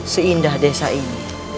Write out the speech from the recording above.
seindah desa ini